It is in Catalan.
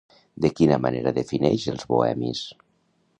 De quina manera defineix els bohemis?